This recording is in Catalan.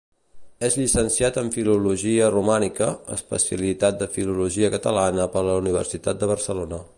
És llicenciat en filologia romànica, especialitat de filologia catalana per la Universitat de Barcelona.